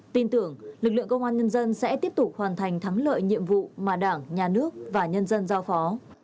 tin tưởng lực lượng công an nhân dân sẽ tiếp tục hoàn thành thắng lợi nhiệm vụ mà đảng nhà nước và nhân dân giao phó